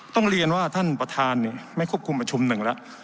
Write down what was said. ต้องเรียนว่าท่านประธานไม่ควบคุมประชุมหนึ่งแล้ว